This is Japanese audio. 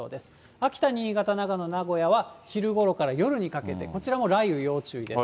秋田、新潟、長野、名古屋は昼ごろから夜にかけて、こちらも雷雨要注意です。